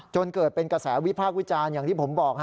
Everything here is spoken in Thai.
จนเกิดเป็นกระแสวิพากษ์วิจารณ์อย่างที่ผมบอก